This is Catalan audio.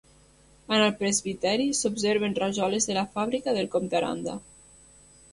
En el presbiteri s'observen rajoles de la Fàbrica del Comte Aranda.